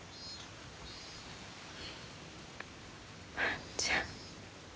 万ちゃん。